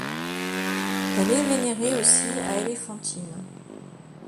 Elle est vénérée aussi à Éléphantine.